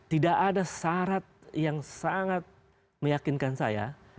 tidak ada syarat yang sangat meyakinkan saya